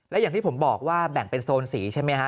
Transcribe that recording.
และอย่างที่ผมบอกว่าแบ่งเป็นโซนสีใช่ไหมฮะ